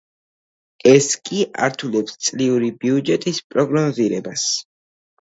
ეს კი ართულებს წლიური ბიუჯეტის პროგნოზირებას.